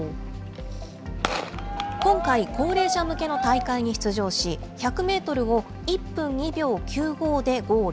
今回、高齢者向けの大会に出場し、１００メートルを１分２秒９５でゴール。